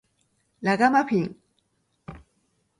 ラガマフィン